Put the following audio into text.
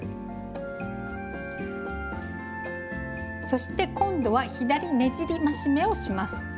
そして今度は「左ねじり増し目」をします。